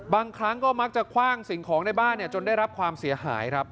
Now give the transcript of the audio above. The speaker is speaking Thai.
บางครั้งก็มักจะคว่างสิ่งของในบ้านจนได้รับความเสียหายครับ